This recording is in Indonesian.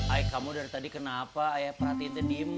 aik kamu dari tadi kenapa perhatiin tadi